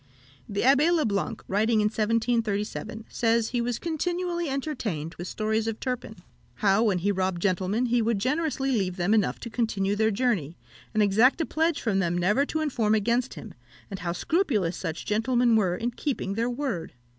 The Abbé le Blanc, writing in 1737, says he was continually entertained with stories of Turpin how, when he robbed gentlemen, he would generously leave them enough to continue their journey, and exact a pledge from them never to inform against him, and how scrupulous such gentlemen were in keeping their word.